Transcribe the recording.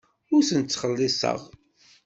Ur ten-ttxelliṣeɣ.